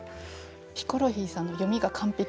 ヒコロヒーさんの読みが完璧すぎて。